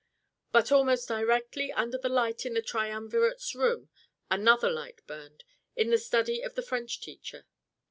But almost directly under the light in the Triumvirate's room another light burned in the study of the French teacher.